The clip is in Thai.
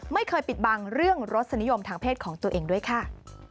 ไม่เคยปิดบังเรื่องรสนิยมทางเพศของตัวเองด้วยค่ะ